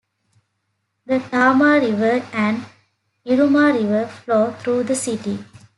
The Tama River and Iruma River flow through the city.